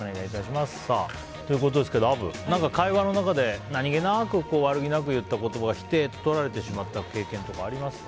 アブ、何か会話の中で何気なく悪気なく言った言葉が否定ととられてしまった経験とかありますか？